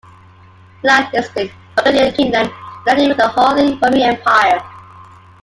"Line extinct, Burgundian kingdom united with the Holy Roman Empire"